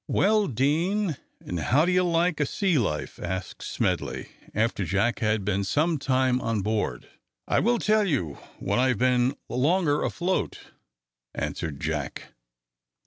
"Well, Deane, and how do you like a sea life?" asked Smedley, after Jack had been some time on board. "I will tell you when I've been longer afloat," answered Jack.